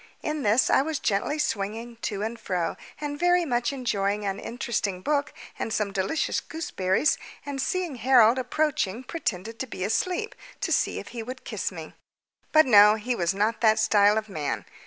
In this I was gently swinging to and fro, and very much enjoying an interesting book and some delicious gooseberries, and seeing Harold approaching pretended to be asleep, to see if he would kiss me. But no, he was not that style of man.